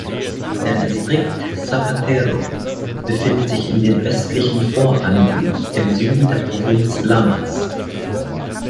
Der Distrikt Zapatero befindet sich in den östlichen Voranden im Süden der Provinz Lamas.